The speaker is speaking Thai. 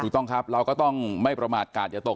ถูกต้องครับเราก็ต้องไม่ประมาทกาศอย่าตก